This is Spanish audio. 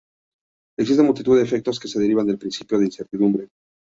Existen multitud de efectos que se derivan del principio de incertidumbre.